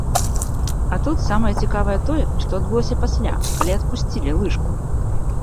А тут самае цікавае тое, што адбылося пасля, калі апусцілі лыжку.